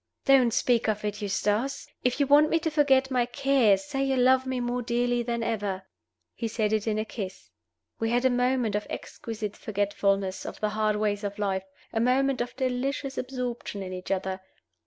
"Don't speak of it, Eustace! If you want me to forget my cares, say you love me more dearly than ever." He said it in a kiss. We had a moment of exquisite forgetfulness of the hard ways of life a moment of delicious absorption in each other.